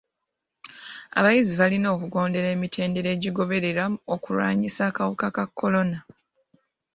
Abayizi balina okugondera emitendera egigobererwa okulwanyisa akawuka ka kolona.